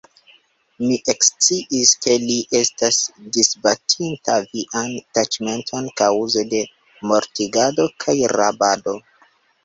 Mi eksciis, ke li estas disbatinta vian taĉmenton kaŭze de mortigado kaj rabado.